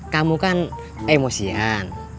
kamu kan emosian